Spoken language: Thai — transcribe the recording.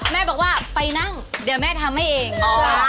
แม่บอกว่าไปนั่งเดี๋ยวแม่ทำให้เอง